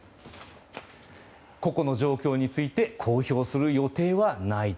個々の状況について公表する予定はない。